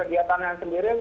dan kegiatan yang sendiri